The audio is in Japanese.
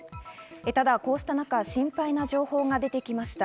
ただこうした中、心配な情報が出てきました。